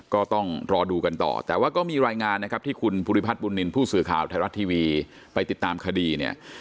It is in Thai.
ก็ต้องรอดูกันต่อแต่ว่าก็มีรายงานนะครับที่คุณภูริพัฒนบุญนินทร์ผู้สื่อข่าวไทยรัฐทีวีไปติดตามคดีเนี่ย